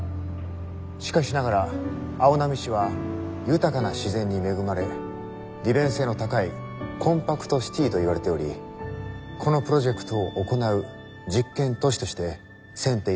しかしながら青波市は豊かな自然に恵まれ利便性の高いコンパクトシティーといわれておりこのプロジェクトを行う実験都市として選定いたしました。